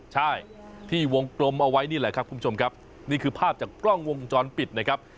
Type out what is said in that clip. ใช่ที่วงกลมเอาไว้นี่แหละครับคุณผู้ชมครับนี่คือภาพจากกล้องวงจรปิดนะครับ